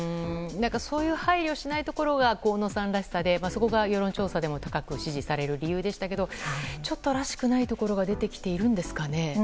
そういう配慮をしないところが河野さんらしさでそこが世論調査でも高く評価される理由でしたがちょっとらしくないところが出てきているんですかね。